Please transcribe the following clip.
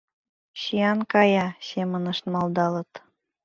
Сӱан кая! — семынышт малдалыт.